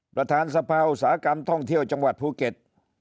ประธานสภาอุตสาหกรรมท่องเที่ยวจังหวัดภูเก็ต